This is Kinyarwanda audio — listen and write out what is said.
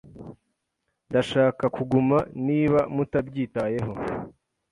Ndashaka kuguma niba mutabyitayeho.